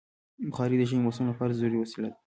بخاري د ژمي موسم لپاره ضروري وسیله ده.